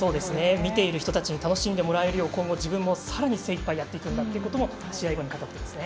見ている人に楽しんでもらえるようさらに精いっぱいやっていくんだということも語っていますね。